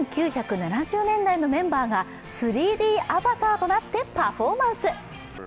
１９７０年代のメンバーが３Ｄアバターとなってパフォーマンス。